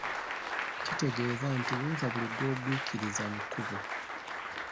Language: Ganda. Kitegeeza nti buuza buli gw’ogwikiriza mu kkubo.